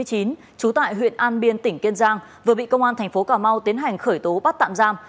trú tại huyện an biên tỉnh kiên giang vừa bị công an tp hcm tiến hành khởi tố bắt tạm giam